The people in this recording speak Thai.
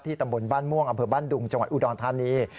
ตำบลบ้านม่วงอำเภอบ้านดุงจังหวัดอุดรธานี